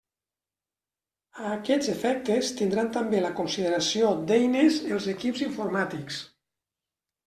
A aquests efectes tindran també la consideració d'eines els equips informàtics.